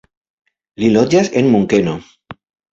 Li loĝas en Munkeno.